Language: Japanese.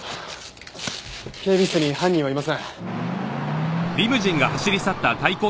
警備室に犯人はいません。